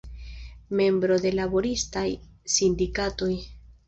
Membro de laboristaj sindikatoj.